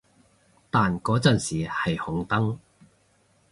但嗰陣時係紅燈